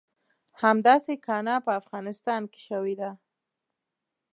همداسې کانه په افغانستان کې شوې ده.